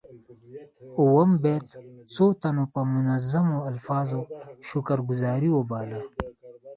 اووم بیت څو تنو په منظومو الفاظو شکر ګذاري وباله.